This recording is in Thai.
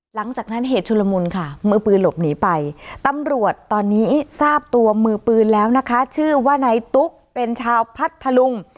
หลังจากนั้นเหตุชุลมุนค่ะมือปืนหลบหนีไปตำรวจตอนนี้ทราบตัวมือปืนแล้วนะคะชื่อว่านายตุ๊กเป็นชาวพัทธลุง